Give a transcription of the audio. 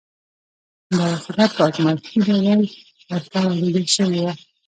دا وسیله په ازمایښتي ډول ورته را لېږل شوې وه